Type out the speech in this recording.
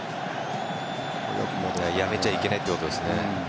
やめちゃいけないってことですね。